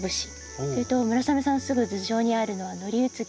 それと村雨さんのすぐ頭上にあるのはノリウツギ。